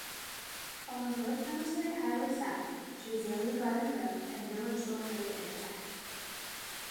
Follow North Military Highway south to Azalea Garden Road and Miller Store Road intersect.